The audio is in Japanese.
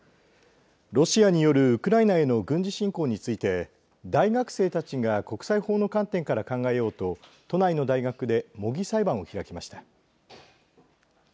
ロシアによるウクライナへの軍事侵攻について大学生たちが国際法の観点から考えようと都内の大学で模擬裁判を開きました。